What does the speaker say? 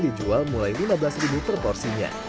dan dijual mulai rp lima belas per porsinya